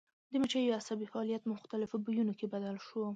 د مچیو عصبي فعالیت په مختلفو بویونو کې بدل شو.